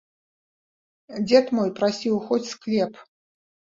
Дзед мой прасіў хоць склеп.